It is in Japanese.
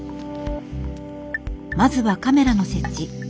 まずはカメラの設置。